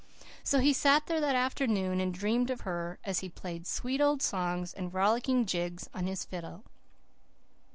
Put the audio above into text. So he sat there that afternoon and dreamed of her, as he played sweet old songs and rollicking jigs on his fiddle.